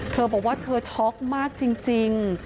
เธอบอกว่าเธอช็อกมากจริง